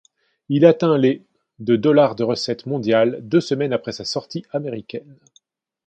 Il atteint les de $ de recettes mondiales deux semaines après sa sortie américaine.